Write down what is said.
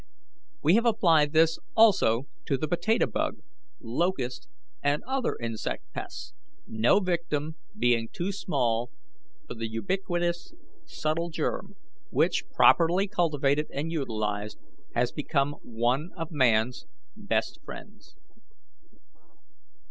We have applied this also to the potato bug, locust, and other insect pests, no victim being too small for the ubiquitous, subtle germ, which, properly cultivated and utilized, has become one of man's best friends.